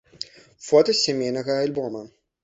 Фота з сямейнага альбома.